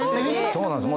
そうなんです。